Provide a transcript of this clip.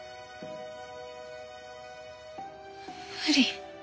無理。